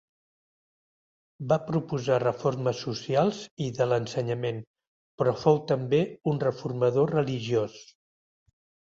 Va proposar reformes socials i de l'ensenyament però fou també un reformador religiós.